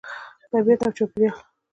طبیعت او چاپیریال